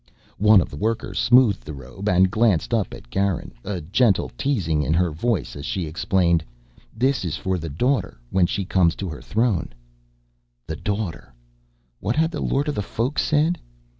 One of the workers smoothed the robe and glanced up at Garin, a gentle teasing in her voice as she explained: "This is for the Daughter when she comes to her throne." The Daughter! What had the Lord of the Folk said?